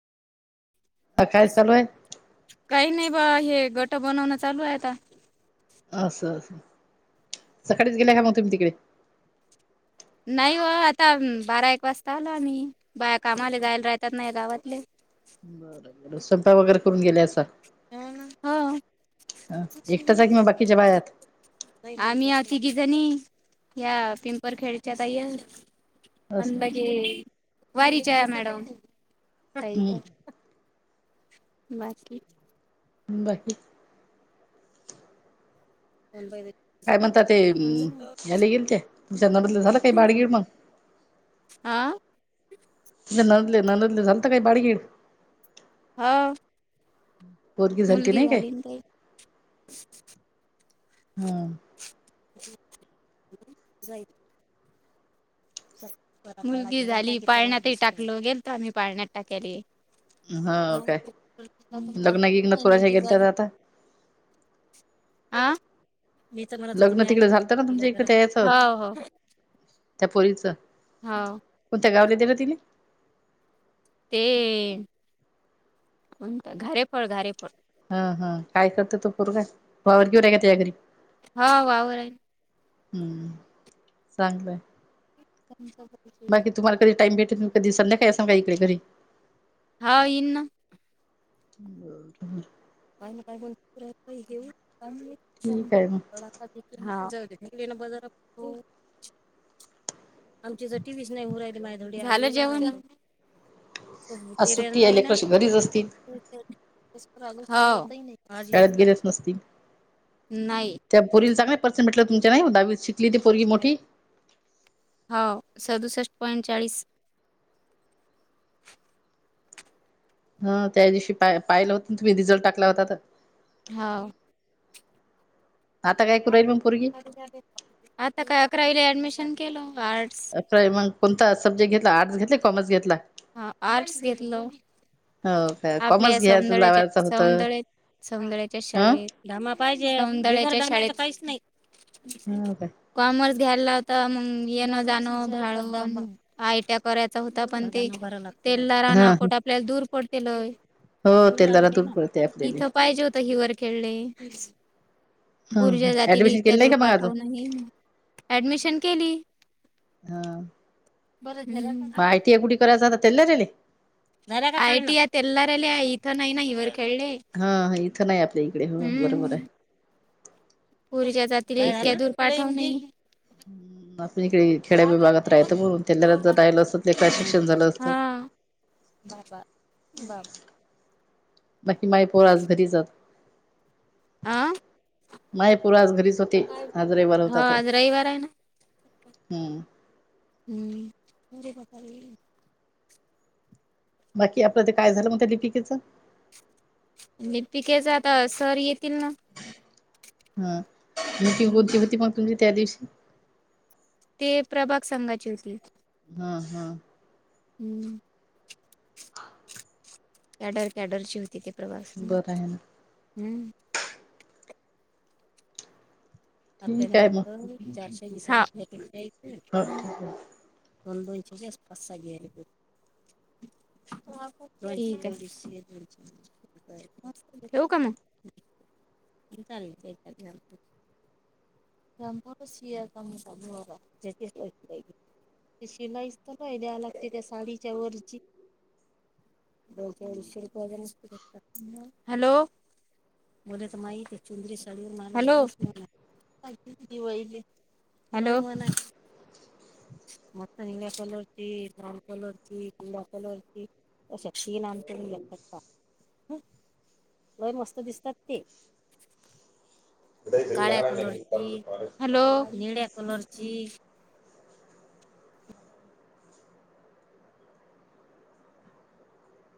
काय चालू आहे काही नाही बा हे गट बनवणं चालू आहे आता असं असं सकाळीच गेल्या का मग तुम्ही तिकडे? नाही हो आता बारा एक वाजता आलो आम्ही बा कामाले जायला राहतात नाही गावातले बर बर स्वयंपाक वगैरे करून गेल्यास हा हा हो ह एकटाच आहे किंवा बाकीच्या बाया आहेत आम्ही आ तिघिजनी या पिंपर खेड्याच्या ताई हत अंद असं बग असं. वारीच्या मॅडम [unintelligible] ह हम्म का बाकी बाकी [unintelligible] अ पय काय म्हणता ते हम्म याला येईल काय ते तुच्याया नडतलं झालं काय बाडगीर मग आ ननदले ननदले झालंत काय बाडगीड हो हम्म मुलगी झाली ना ताई हम्म. [unintelligible] मुलगी झाली पाळण्यातही टाकलो गेल तरो आम्ही पाळण्यात टाकायले हा काय लग्ना गिन्गनात कोणाच्या गेलतात आता? आा लग्न तिकडे झालत ना तुमच्या इकडे याचं हो हो त्या पोरीच हो कोणत गावले दिला तिने ते कोणत घारेफळ हा हा काय करते तो पोरगा वावर गिवर आहे का त्याया घरी हा वावर आहे हम्म चांगलंय हम्म बाकी तुम्हाला कधी टाइम भेटे त कधी संध्याकाळी ये साल काय घरी हा इन न बरं काही ना काय घेऊ काख ठीक आहे मग हा च बजर आमची तर टी वी च नाही होऊन राहिली माय धडी झालं जेवण आज फिरेल सुट्टी आहे नाही ना लेकरं घरीच असतील शाळेत गेलेच नसतील नाही त्या पोरीले चांगले पर्सेंट भेटलं तुमच्या नाही उ दहावी शिक हो सदुसष्ट पंचाळीस हा त्या दिवशी पा पाहिलं होत तुम्ही रिझल्ट टाकला होता तर होा आता काय करूय म आता काय अकरावीला ऍडमिशन केलं आर्ट्स अकरावी मग कोणता सब्जेट घेतला आर्ट्स घेतले कॉमर्स घेतला हा आर्ट्स घेतल हो काय आपल्या कॉमर्स घ्यायचं सौदळ्या च्या लावायचं होतं सौदळ्या सौंदळ्या च्या ह शाळेत सौंदळ्या च्या शाळेत हो काय कॉमर्स ध्यायला होता मग येणं जाणं ळ म आयट्या करायचा होता पण तेल्हारा अण ह अकोट आपल्याला दूर पडतेय हो ते जरा दूर पडते आपल्याले इथं पाहिजे होत हिवरखेळले ह पोरीच्या जातीले ऍडमिशन इतक्या केलं नाही दूर का मग अजून पाठवून ऍडमिशन केली हा मग आयटीआय कुठे करायचात तेल्हारायले आय टी आय देणारे आहे इथं नाही ना हिवरखेळले हा हा इथं नाही आपल्या इकडे हो बरोबर आहे पोरीच्या जातीले जातील इतक्या दूर पाठ हम आपण इकडे खेड्या विभागात राहत म्हणून त्याला जर राहिलं असतं ते शिक्षण झालं असतं बाबा बाबा बाकी माय पोर आज घरी जात आं माय पोर आज घरीच होती आज रविवार हो होता तर आज रविवार आहे ना हम्म हम्म बाकी आपलं ते काय झालं म्हण त्या लिपिकेचं आणि लिपिकेचा आता सर येत हा मीटिंग कोणती होती मग तुमची त्या दिवशी? ते प्रभाग संघाची होती. हां हां हम्म कॅडर कॅडरची होती ते प्रवासार बरं आहे ना हम्म ठीक आहे मग आपल्याला चारशे ह द दो इंचच्या आसपास घ आहे [inaudible] ठेऊ का मग? चालेल [unintelligible] ते शिलाईस तर नाय द्या लागते त्या साडीच्या वरची हॅलो बोत माहे चुंदरी साडीवर मलो हॅलो म नला कलोरची लाल कलोर्ची गिला कलोरची अ शी नाम लय मस्त दिसतात ते काळया कलरची हॅलो निळ्या कलरची.